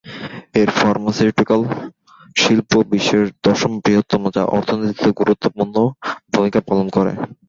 এর ফার্মাসিউটিক্যাল শিল্প বিশ্বের দশম বৃহত্তম, যা অর্থনীতিতে গুরুত্বপূর্ণ ভূমিকা পালন করে।